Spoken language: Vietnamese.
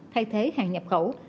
thay thế hàng nhập khẩu